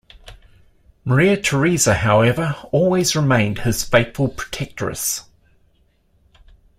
Maria Theresa, however, always remained his faithful protectress.